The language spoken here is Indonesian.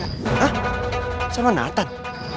hah sama nathan